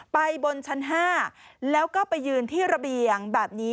บนชั้น๕แล้วก็ไปยืนที่ระเบียงแบบนี้